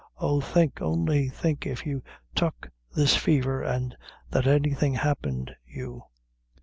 Oh, think only think if you tuck this faver, an' that anything happened you."